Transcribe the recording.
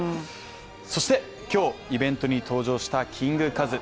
そして今日、イベントに登場したキングカズ。